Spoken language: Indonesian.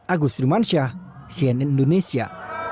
agus rumansyah cnn indonesia